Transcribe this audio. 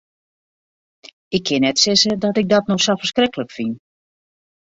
Ik kin net sizze dat ik dat no sa ferskriklik fyn.